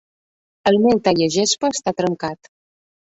El meu tallagespa està trencat.